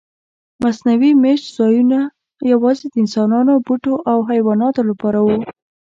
مصنوعي میشت ځایونه یواځې د انسانانو، بوټو او حیواناتو لپاره وو.